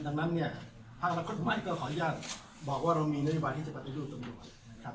ดังนั้นเนี่ยภาคอนาคตใหม่ก็ขออนุญาตบอกว่าเรามีนโยบายที่จะปฏิรูปตำรวจนะครับ